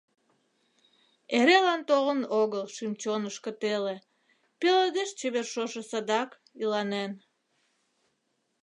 Эрелан толын огыл шӱм-чонышко теле, Пеледеш чевер шошо садак, иланен.